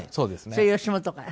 それ吉本から？